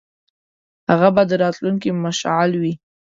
هغه به د راتلونکي مشعل وي.